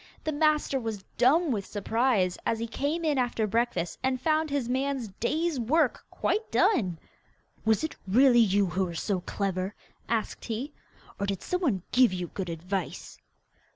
The master was dumb with surprise as he came in after breakfast and found his man's day's work quite done. 'Was it really you who were so clever?' asked he. 'Or did some one give you good advice?